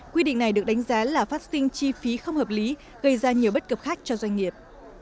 quy định này được đánh giá là phát sinh chi phí không hợp lý gây ra nhiều bất cập khác cho doanh nghiệp